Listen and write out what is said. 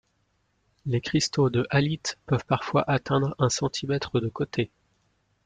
Les cristaux de halite peuvent parfois atteindre un centimètre de côté.